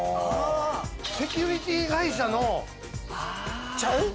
セキュリティー会社のちゃう？